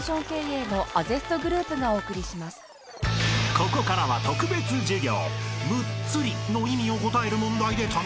［ここからは特別授業］